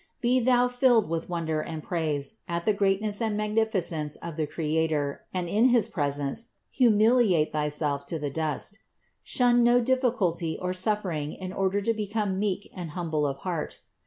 Be thou filled with wonder and praise at the greatness and magnificence of the Creator and in his presence humiliate thyself to the dust. Shun no difficulty or suffering in order to become meek and humble of heart.